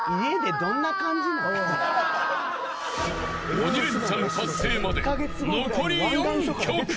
鬼レンチャン達成まで残り４曲。